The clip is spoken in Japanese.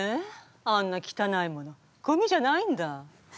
あんな汚いものゴミじゃないんだ？